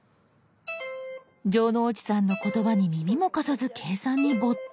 城之内さんの言葉に耳も貸さず計算に没頭。